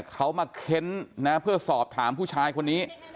เขามาเค้นนะเพื่อสอบถามผู้ชายคนนี้